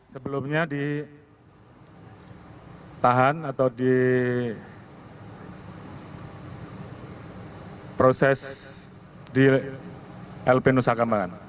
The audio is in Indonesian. sebelumnya ditahan atau diproses di lp nusa kambangan